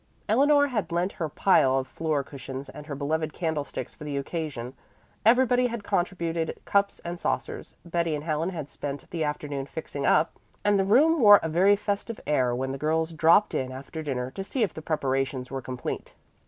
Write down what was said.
Eleanor had lent her pile of floor cushions and her beloved candlesticks for the occasion, everybody had contributed cups and saucers. Betty and Helen had spent the afternoon "fixing up," and the room wore a very festive air when the girls dropped in after dinner to see if the preparations were complete.